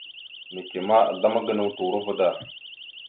Neke ma, aslam gənaw turova da.